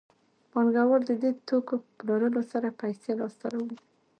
پانګوال د دې توکو په پلورلو سره پیسې لاسته راوړي